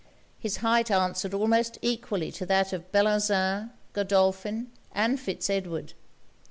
His height answered almost equally to that of Bellozane, Godolphin, and Fitz Edward.